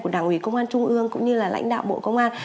của đảng ủy công an trung ương cũng như là lãnh đạo bộ công an